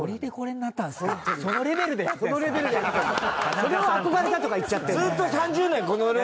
それを憧れたとか言っちゃってんの。